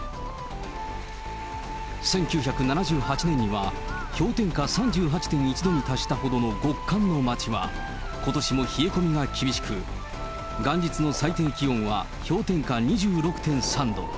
１９７８年には、氷点下３８．１度に達したほどの極寒の町は、ことしも冷え込みが厳しく、元日の最低気温は氷点下２６．３度。